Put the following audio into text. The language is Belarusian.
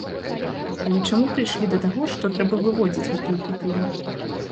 Але чаму прыйшлі да таго, што трэба выводзіць гэтую купюру?